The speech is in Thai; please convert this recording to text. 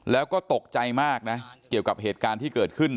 แล้วก็ตกใจมากนะเกี่ยวกับเหตุการณ์ที่เกิดขึ้น